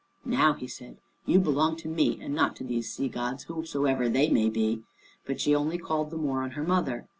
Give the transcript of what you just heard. "Now," he said, "you belong to me, and not to these sea gods, whosoever they may be." But she only called the more on her mother.